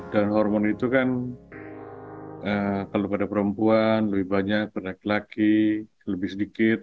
dan hormon itu kan kalau pada perempuan lebih banyak pada laki laki lebih sedikit